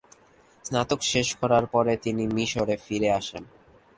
স্নাতক শেষ করার পরে তিনি মিশরে ফিরে আসেন।